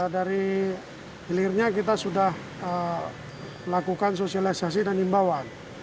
dari hilirnya kita sudah melakukan sosialisasi dan imbauan